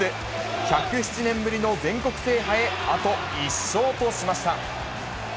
１０７年ぶりの全国制覇へ、あと１勝としました。